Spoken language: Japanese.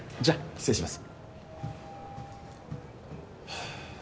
失礼します。